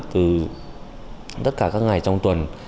từ tất cả các ngày trong tuần